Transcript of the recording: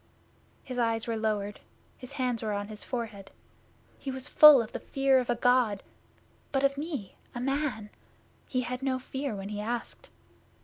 His eyes were lowered, his hands were on his forehead. He was full of the fear of a God, but of me, a man, he had no fear when he asked.